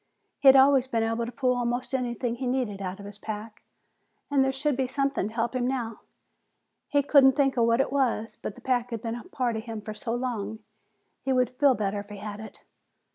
He'd always been able to pull almost anything he needed out of his pack and there should be something to help him now. He couldn't think of what it was, but the pack had been a part of him for so long that he would feel better if he had it.